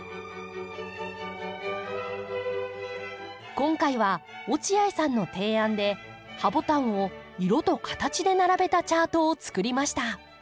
今回は落合さんの提案でハボタンを色と形で並べたチャートをつくりました。